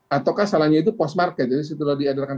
ataukah salahnya itu post market jadi setelah diadakan